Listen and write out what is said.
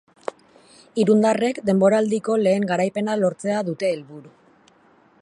Irundarrek denboraldiko lehen garaipena lortzea dute helburu.